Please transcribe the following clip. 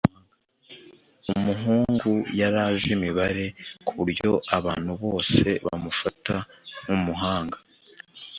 umuhungu yari azi imibare kuburyo abantu bose bamufata nkumuhanga